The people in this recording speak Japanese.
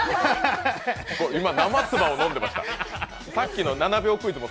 今、生唾を飲んでました。